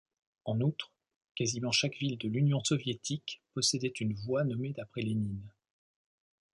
En outre, quasiment chaque ville de l'Union soviétique possédait une voie nommée d'après Lénine.